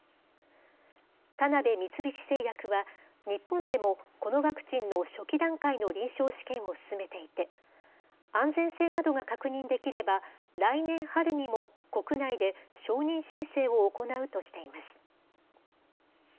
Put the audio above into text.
田辺三菱製薬は、日本でもこのワクチンの初期段階の臨床試験を進めていて、安全性などが確認できれば、来年春にも国内で承認申請を行うとしています。